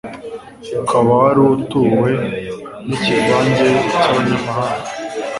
ukaba wari utuwe n'ikivange cy'abanyamahanga